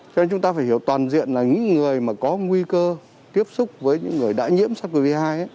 cho nên chúng ta phải hiểu toàn diện là những người mà có nguy cơ tiếp xúc với những người đã nhiễm sars cov hai